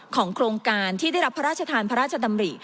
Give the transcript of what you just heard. โครงการที่ได้รับพระราชทานพระราชดำริ